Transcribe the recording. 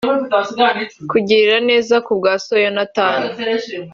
Kukugirira neza ku bwa So Yonatani